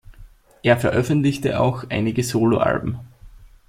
Er veröffentlichte auch einige Soloalben.